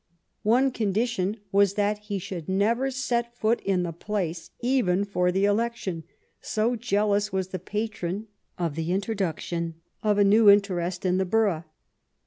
One condition was that he should never set foot in the place, even for the election, so jealous was the patron of the introduction of a new interest in the borough.